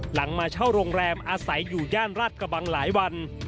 มาเช่าโรงแรมอาศัยอยู่ย่านราชกระบังหลายวัน